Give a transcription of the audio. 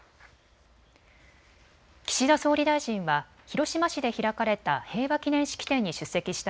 岸田総理大臣は広島市で開かれた平和記念式典に出席した